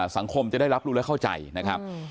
สังคมจะได้รับรู้และเข้าใจนะครับ